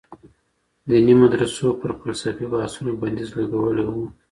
دیني مدرسو پر فلسفي بحثونو بندیز لګولی و.